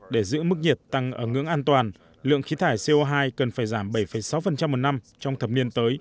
để giữ mức nhiệt tăng ở ngưỡng an toàn lượng khí thải co hai cần phải giảm bảy sáu một năm trong thập niên tới